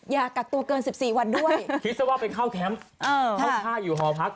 อย่ากักตัวเกิน๑๔วันด้วยคิดซะว่าไปเข้าแคมป์เข้าท่าอยู่หอพัก